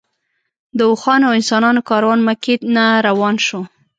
د اوښانو او انسانانو کاروان مکې نه روان شو.